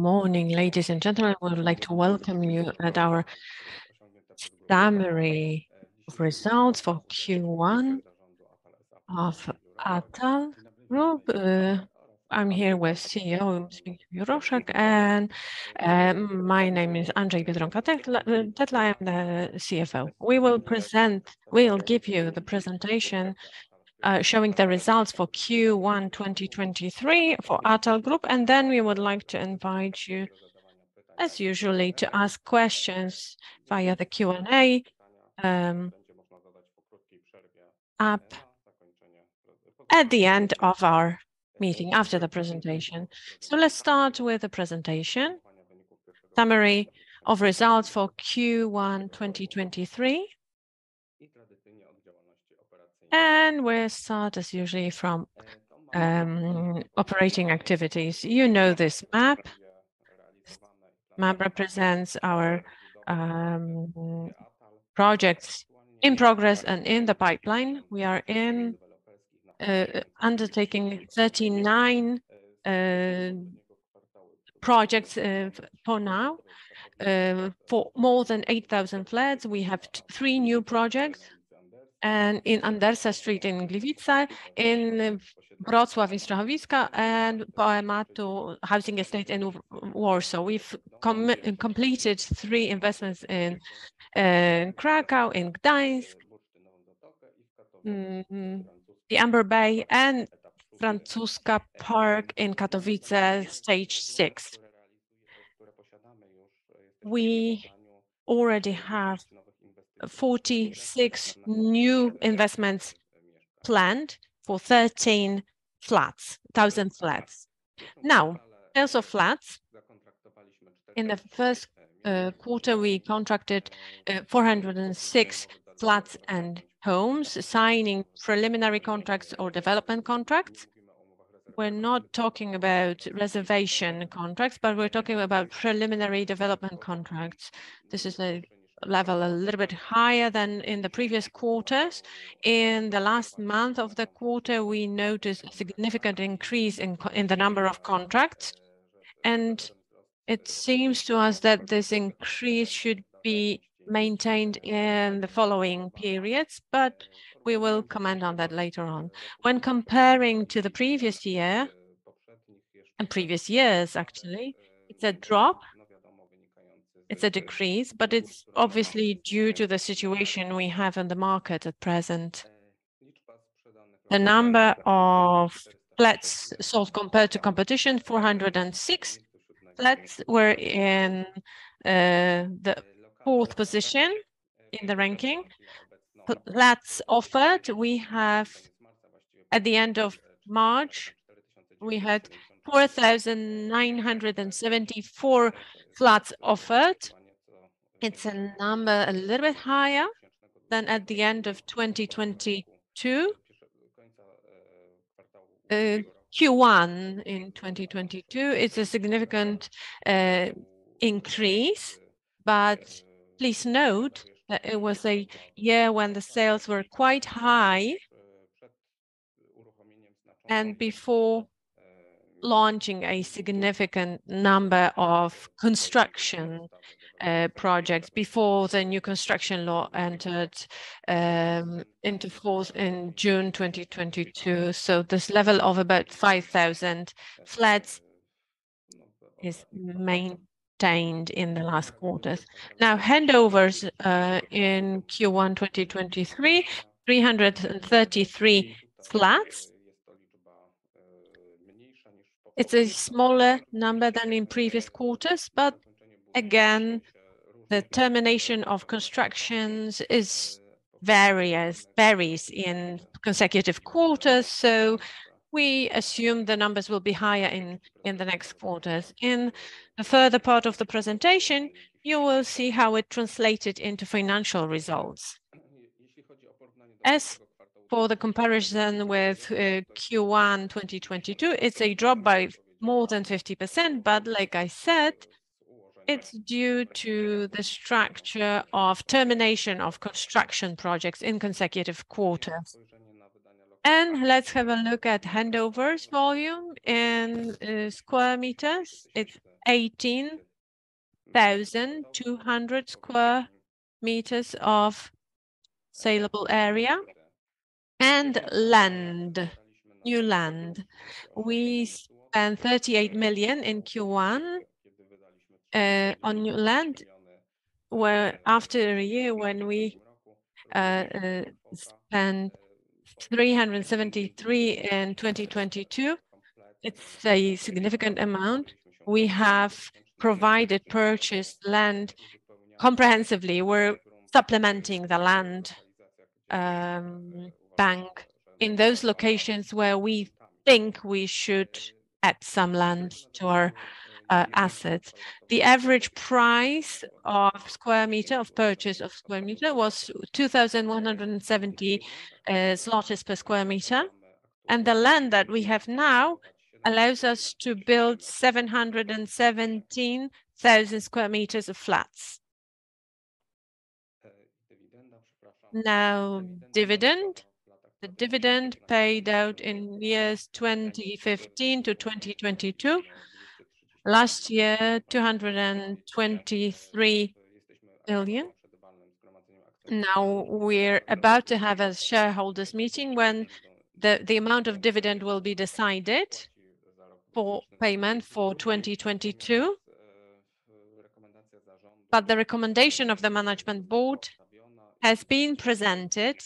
Good morning, ladies and gentlemen. I would like to welcome you at our summary of results for Q1 of Atal Group. I'm here with CEO, Juroszek, and my name is Andrzej Biedronka-Tetla, Tetla. I'm the CFO. We'll give you the presentation showing the results for Q1 2023 for Atal Group, then we would like to invite you, as usually, to ask questions via the Q&A app at the end of our meeting, after the presentation. Let's start with the presentation. Summary of results for Q1 2023. We'll start as usually from operating activities. You know this map. Map represents our projects in progress and in the pipeline. We are undertaking 39 projects for now, for more than 8,000 flats. We have three new projects in Andersa Street in Gliwice, in Wrocław, in Strachowicka, and Poematu housing estate in Warszawa. We've completed three investments in Kraków, in Gdańsk. The Amber Bay and Francuska Park in Katowice, stage six. We already have 46 new investments planned for 13 flats, 1,000 flats. Sales of flats. In the first quarter, we contracted 406 flats and homes, signing preliminary contracts or development contracts. We're not talking about reservation contracts, we're talking about preliminary development contracts. This is a level a little bit higher than in the previous quarters. In the last month of the quarter, we noticed a significant increase in the number of contracts, it seems to us that this increase should be maintained in the following periods. We will comment on that later on. When comparing to the previous year, and previous years actually, it's a drop. It's a decrease, but it's obviously due to the situation we have in the market at present. The number of flats sold compared to competition, 406. Flats were in the fourth position in the ranking. Flats offered. At the end of March, we had 4,974 flats offered. It's a number a little bit higher than at the end of 2022. Q1 in 2022, it's a significant increase, but please note that it was a year when the sales were quite high and before launching a significant number of construction projects, before the new Construction Law entered into force in June 2022. This level of about 5,000 flats is maintained in the last quarters. Handovers in Q1 2023, 333 flats. It's a smaller number than in previous quarters, but again, the termination of constructions is various, varies in consecutive quarters. We assume the numbers will be higher in the next quarters. In the further part of the presentation, you will see how it translated into financial results. As for the comparison with Q1 2022, it's a drop by more than 50%, but like I said, it's due to the structure of termination of construction projects in consecutive quarters. Let's have a look at handovers volume in square meters. It's 18,200 square meters of saleable area. Land, new land. We spent 38 million in Q1 on new land, where after a year when we spent 373 million in 2022, it's a significant amount. We have provided, purchased land comprehensively. We're supplementing the land bank in those locations where we think we should add some land to our assets. The average price of square meter, of purchase of square meter, was 2,170 per square meter, and the land that we have now allows us to build 717,000 square meters of flats. Dividend. The dividend paid out in years 2015 to 2022. Last year, 223 million. We're about to have a shareholders meeting when the amount of dividend will be decided for payment for 2022. The recommendation of the management board has been presented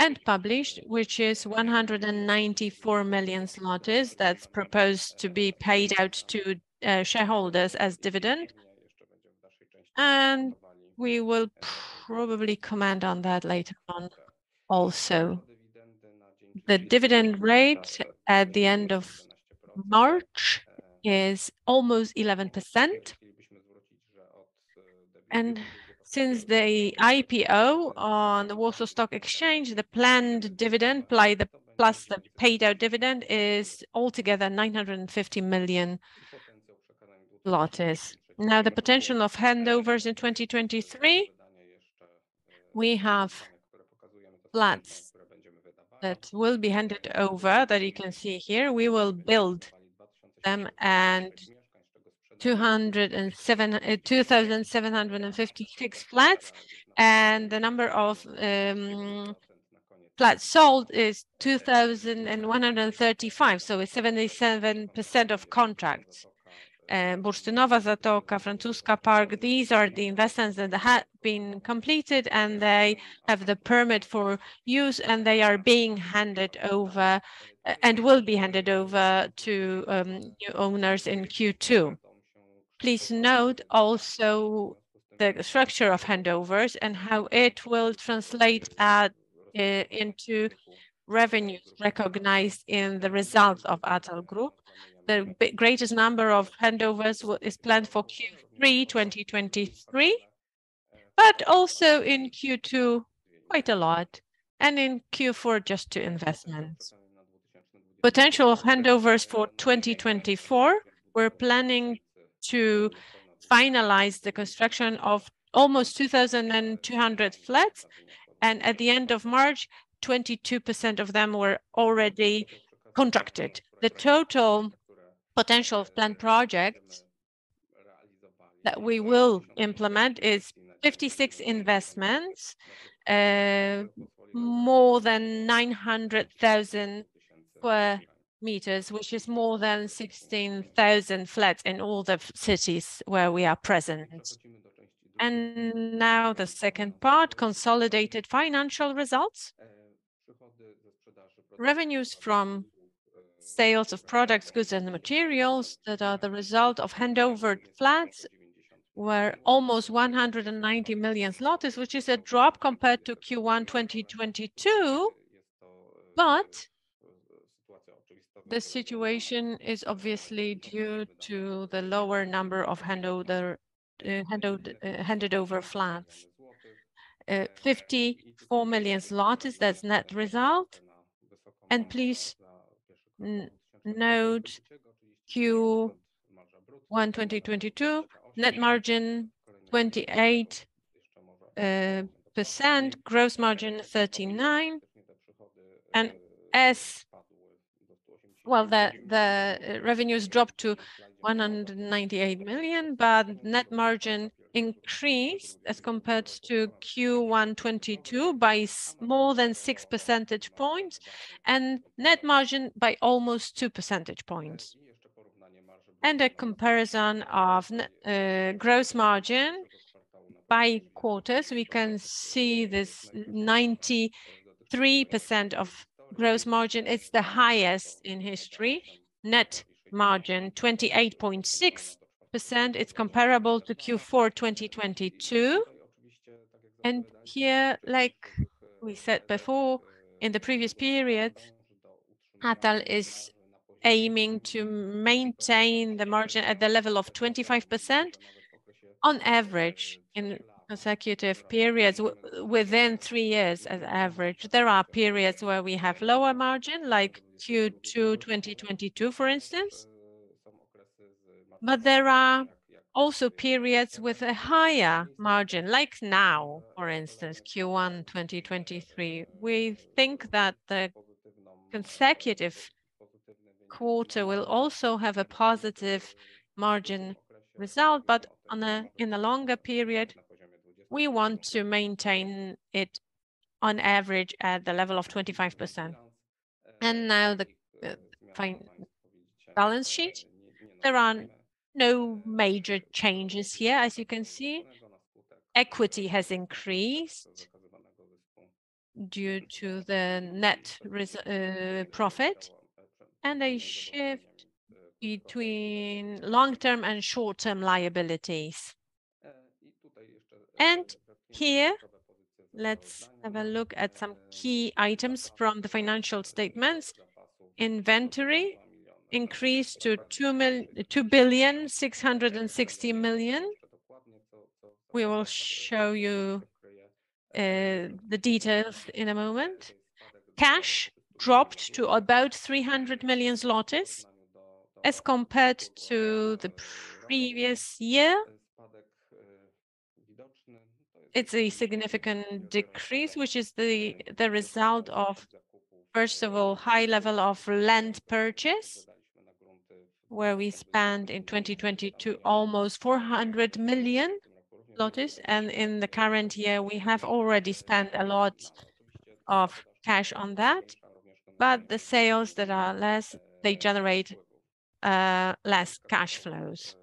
and published, which is 194 million zlotys that's proposed to be paid out to shareholders as dividend. We will probably comment on that later on also. The dividend rate at the end of March is almost 11%. Since the IPO on the Warsaw Stock Exchange, the planned dividend plus the paid out dividend is altogether 950 million. The potential of handovers in 2023, we have flats that will be handed over that you can see here. We will build them and, 2,756 flats, and the number of flats sold is 2,135, so it's 77% of contracts. Bursztynowa Zatoka, Francuska Park, these are the investments that have been completed, and they have the permit for use, and they are being handed over and will be handed over to new owners in Q2. Please note also the structure of handovers and how it will translate at into revenues recognized in the results of Atal Group. The greatest number of handovers is planned for Q3 2023, but also in Q2, quite a lot, and in Q4, just two investments. Potential of handovers for 2024, we're planning to finalize the construction of almost 2,200 flats, and at the end of March, 22% of them were already contracted. The total potential of planned projects that we will implement is 56 investments, more than 900,000 square meters, which is more than 16,000 flats in all the cities where we are present. Now the second part, consolidated financial results. Revenues from sales of products, goods and materials that are the result of handovered flats were almost 190 million zlotys, which is a drop compared to Q1 2022. The situation is obviously due to the lower number of handed over flats. 54 million zlotys, that's net result. Please note Q1 2022, net margin 28%, gross margin 39%. Well, the revenues dropped to 198 million, but net margin increased as compared to Q1 2022 by more than 6 percentage points, and net margin by almost 2 percentage points. A comparison of gross margin by quarters, we can see this 93% of gross margin is the highest in history. Net margin, 28.6%, it's comparable to Q4 2022. Like we said before, in the previous period, Atal is aiming to maintain the margin at the level of 25% on average in consecutive periods within three years as average. There are periods where we have lower margin, like Q2 2022, for instance. There are also periods with a higher margin, like now, for instance, Q1 2023. We think that the consecutive quarter will also have a positive margin result, but in the longer period, we want to maintain it on average at the level of 25%. The balance sheet. There are no major changes here as you can see. Equity has increased due to the net profit, and a shift between long-term and short-term liabilities. Let's have a look at some key items from the financial statements. Inventory increased to 2 billion 660 million. We will show you the details in a moment. Cash dropped to about 300 million zlotys. As compared to the previous year, it's a significant decrease which is the result of, first of all, high level of land purchase, where we spent in 2020 to almost 400 million, and in the current year, we have already spent a lot of cash on that. The sales that are less, they generate less cash flows.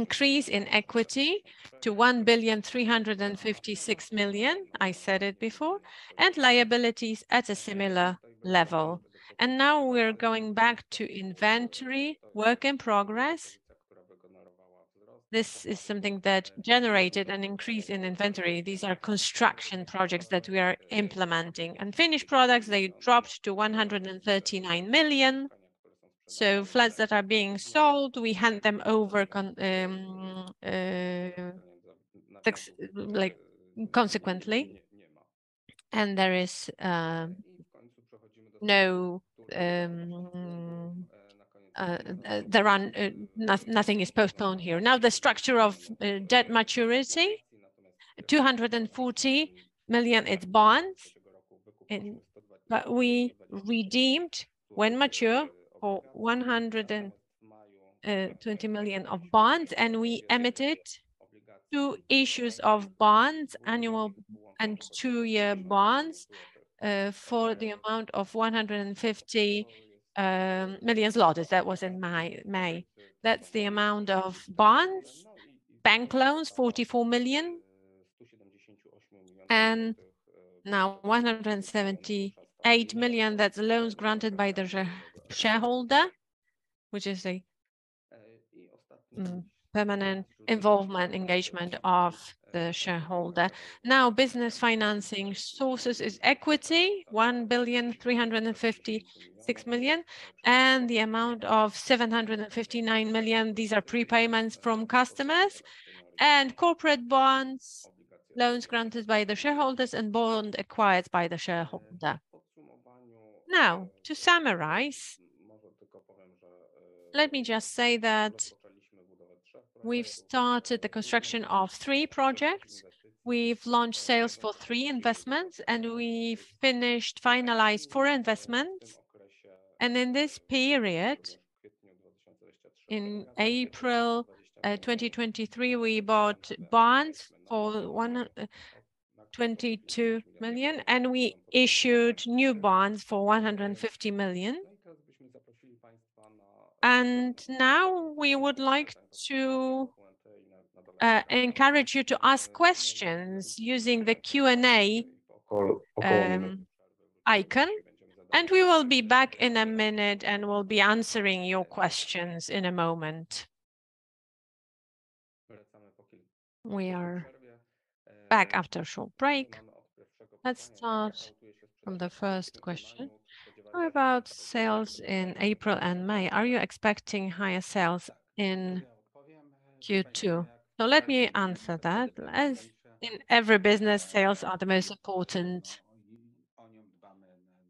Increase in equity to 1 billion 356 million, I said it before, and liabilities at a similar level. Now we're going back to inventory work in progress. This is something that generated an increase in inventory. These are construction projects that we are implementing. Finished products, they dropped to 139 million. Flats that are being sold, we hand them over like, consequently. There is no nothing is postponed here. Now the structure of debt maturity, 240 million is bonds in. We redeemed, when mature, 120 million of bonds, and we emitted two issues of bonds, annual and two-year bonds, for the amount of 150 million zlotys. That was in May. That's the amount of bonds. Bank loans, 44 million. Now 178 million, that's loans granted by the shareholder, which is a permanent involvement, engagement of the shareholder. Business financing sources is equity, 1,356 million, and the amount of 759 million, these are prepayments from customers. Corporate bonds, loans granted by the shareholders, and bond acquired by the shareholder. To summarize, let me just say that we've started the construction of three projects. We've launched sales for three investments, and we've finalized four investments. In this period, in April, 2023, we bought bonds for 122 million, and we issued new bonds for 150 million. Now we would like to encourage you to ask questions using the Q&A icon, and we will be back in a minute, and we'll be answering your questions in a moment. We are back after a short break. Let's start from the first question. How about sales in April and May? Are you expecting higher sales in Q2? Let me answer that. As in every business, sales are the most important.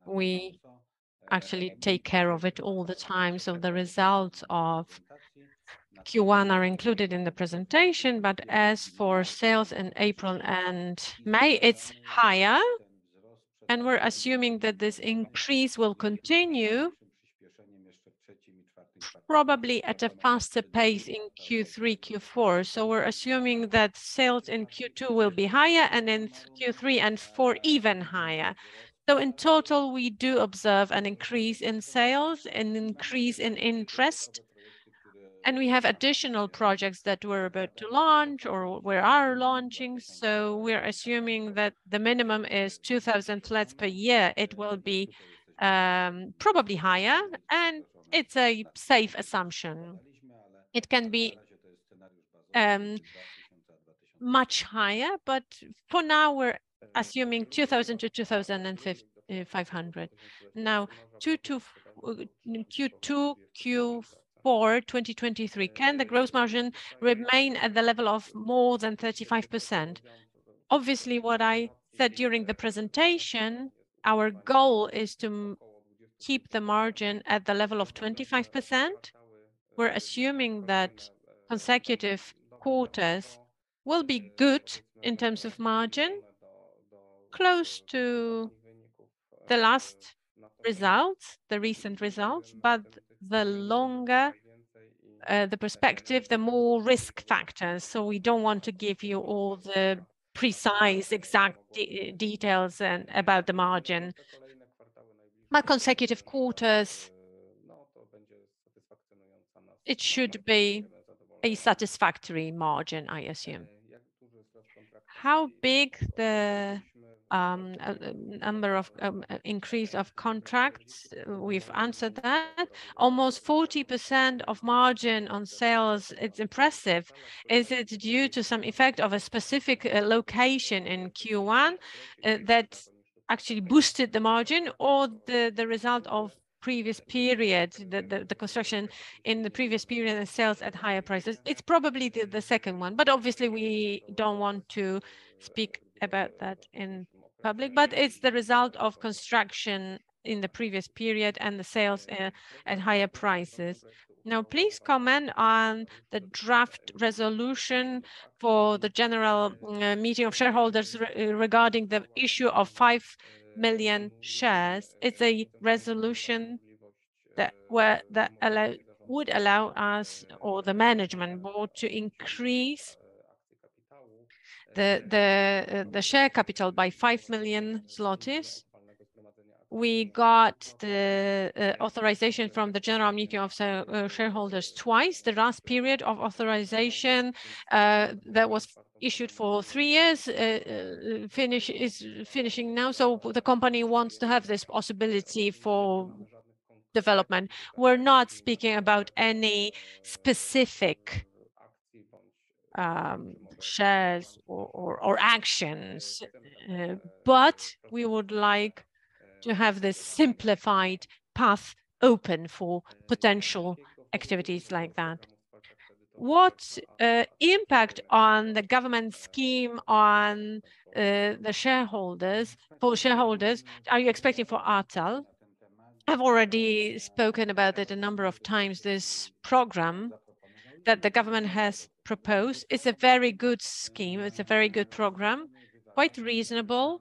We actually take care of it all the time. The results of Q1 are included in the presentation. As for sales in April and May, it's higher, and we're assuming that this increase will continue, probably at a faster pace in Q3, Q4. We're assuming that sales in Q2 will be higher, and in Q3 and Q4 even higher. In total, we do observe an increase in sales, an increase in interest, and we have additional projects that we're about to launch or we are launching. We're assuming that the minimum is 2,000 flats per year. It will be probably higher, and it's a safe assumption. It can be much higher, but for now we're assuming 2,000-2,500. Q2, Q4 2023, can the gross margin remain at the level of more than 35%? Obviously, what I said during the presentation, our goal is to keep the margin at the level of 25%. We're assuming that consecutive quarters will be good in terms of margin, close to the last results, the recent results. The longer the perspective, the more risk factors. So we don't want to give you all the precise, exact details and about the margin. Consecutive quarters, it should be a satisfactory margin, I assume. How big the number of increase of contracts? We've answered that. Almost 40% of margin on sales, it's impressive. Is it due to some effect of a specific location in Q1? Actually boosted the margin or the result of previous periods, the construction in the previous period and sales at higher prices. It's probably the second one, but obviously we don't want to speak about that in public. It's the result of construction in the previous period and the sales at higher prices. Now please comment on the draft resolution for the general meeting of shareholders regarding the issue of five million shares. It's a resolution that would allow us or the management board to increase the share capital by 5 million zlotys. We got the authorization from the general meeting of shareholders twice. The last period of authorization that was issued for three years, finish... is finishing now. The company wants to have this possibility for development. We're not speaking about any specific shares or actions, but we would like to have this simplified path open for potential activities like that. What impact on the government scheme on the shareholders, for shareholders are you expecting for Atal? I've already spoken about it a number of times. This program that the government has proposed is a very good scheme. It's a very good program, quite reasonable.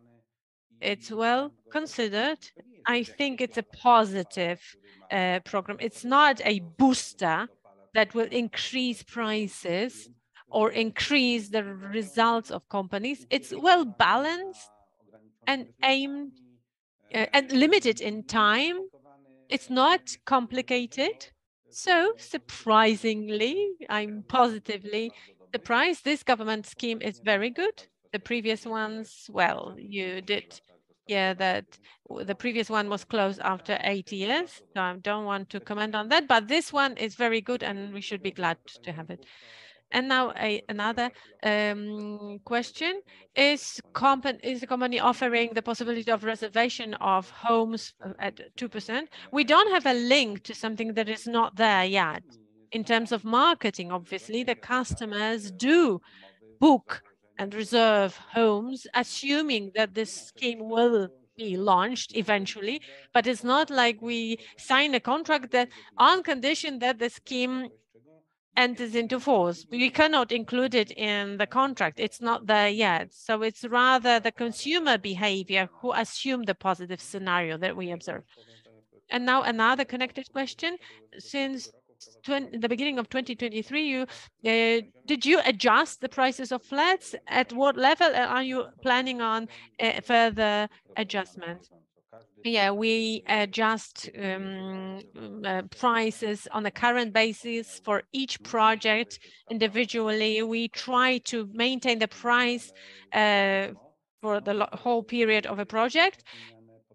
It's well considered. I think it's a positive program. It's not a booster that will increase prices or increase the results of companies. It's well-balanced and aimed and limited in time. It's not complicated. Surprisingly, I'm positively surprised. This government scheme is very good. The previous ones, well you did hear that the previous one was closed after eight years. I don't want to comment on that. This one is very good, and we should be glad to have it. Now another question. Is the company offering the possibility of reservation of homes at 2%? We don't have a link to something that is not there yet. In terms of marketing, obviously, the customers do book and reserve homes assuming that this scheme will be launched eventually. It's not like we sign a contract that on condition that the scheme enters into force. We cannot include it in the contract. It's not there yet. It's rather the consumer behavior who assume the positive scenario that we observe. Now another connected question. Since twen... The beginning of 2023, did you adjust the prices of flats? At what level are you planning on further adjustments? We adjust prices on the current basis for each project individually. We try to maintain the price for the whole period of a project.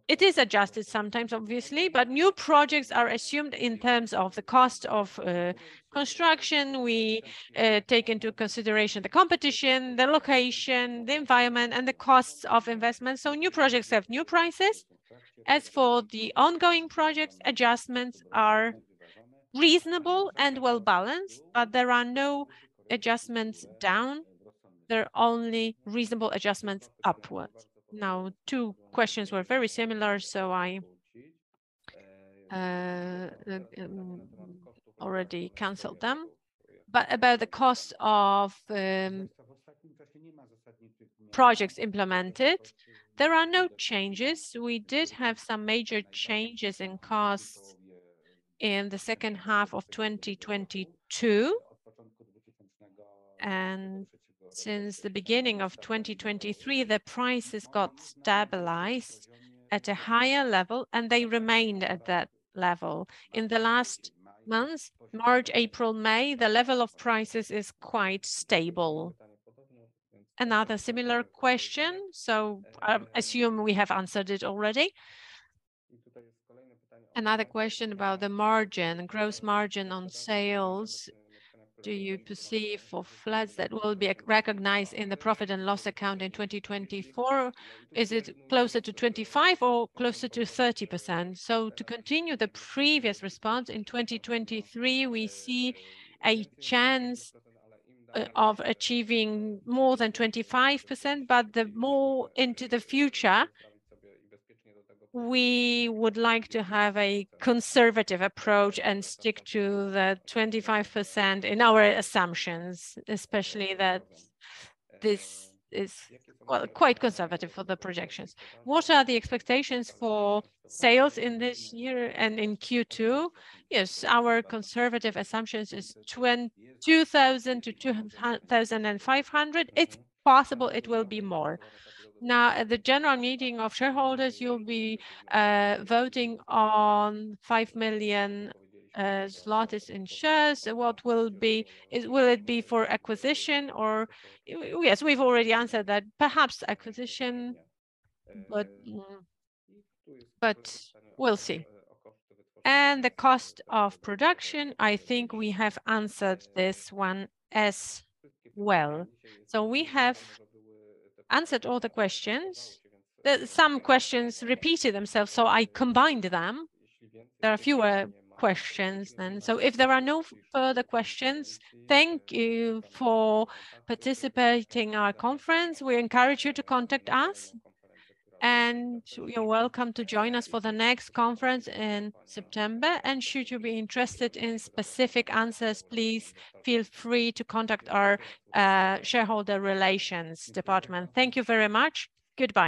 It is adjusted sometimes obviously, new projects are assumed in terms of the cost of construction. We take into consideration the competition, the location, the environment, and the costs of investment, new projects have new prices. As for the ongoing projects, adjustments are reasonable and well-balanced, there are no adjustments down. There are only reasonable adjustments upwards. Two questions were very similar, I already canceled them. About the cost of projects implemented, there are no changes. We did have some major changes in costs in the second half of 2022, and since the beginning of 2023, the prices got stabilized at a higher level, and they remained at that level. In the last months, March, April, May, the level of prices is quite stable. Another similar question. Assume we have answered it already. Another question about the margin, gross margin on sales. Do you perceive for flats that will be recognized in the profit and loss account in 2024, is it closer to 25% or closer to 30%? To continue the previous response, in 2023, we see a chance of achieving more than 25%, but the more into the future, we would like to have a conservative approach and stick to the 25% in our assumptions, especially that this is, well, quite conservative for the projections. What are the expectations for sales in this year and in Q2? Our conservative assumptions is 2,000 to 200,500. It's possible it will be more. At the annual meeting of shareholders, you'll be voting on 5 million zlotys in shares. Will it be for acquisition or... We've already answered that. Perhaps acquisition, but we'll see. The cost of production, I think we have answered this one as well. We have answered all the questions. Some questions repeated themselves, so I combined them. There are fewer questions then. If there are no further questions, thank you for participating our conference. We encourage you to contact us, and you're welcome to join us for the next conference in September. Should you be interested in specific answers, please feel free to contact our shareholder relations department. Thank you very much. Goodbye.